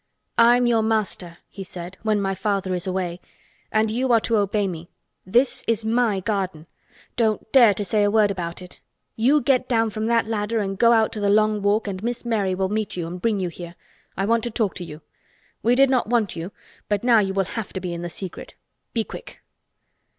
"I'm your master," he said, "when my father is away. And you are to obey me. This is my garden. Don't dare to say a word about it! You get down from that ladder and go out to the Long Walk and Miss Mary will meet you and bring you here. I want to talk to you. We did not want you, but now you will have to be in the secret. Be quick!"